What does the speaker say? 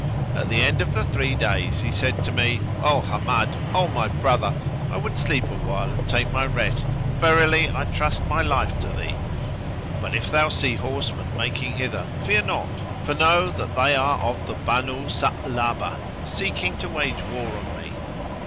At the end of the three days he said to me, "O Hammad, O my brother, I would sleep awhile and take my rest and verily I trust my life to thee; but, if thou see horsemen making hither, fear not, for know that they are of the Banu Sa'labah, seeking to wage war on me."